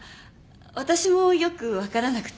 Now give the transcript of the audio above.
私もよく分からなくて。